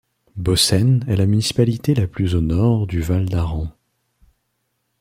Bausen est la municipalité la plus au nord du Val d'Aran.